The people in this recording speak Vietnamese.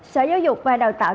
sở giáo dục và đào tạo